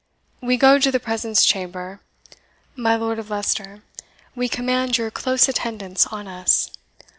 We go to the presence chamber. My Lord of Leicester, we command your close attendance on us."